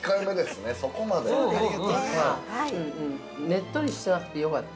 ◆ねっとりしてなくてよかった。